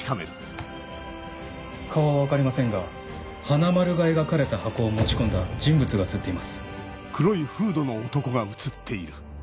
顔は分かりませんが「はなまる」が描かれた箱を持ち込んだ人物が映っています。